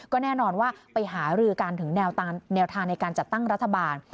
ก็แน่นอนว่าไปหารือกันถึงแนวทางในการจัดตั้งรัฐบาล